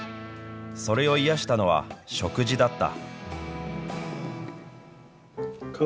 それを癒やしたのは、食事だった。